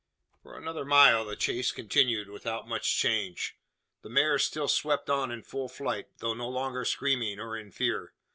For another mile the chase continued, without much change. The mares still swept on in full flight, though no longer screaming or in fear.